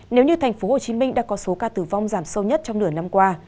nếu như thành phố hồ chí minh đã có số ca tử vong giảm sâu nhất trong nửa năm qua